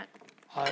はい。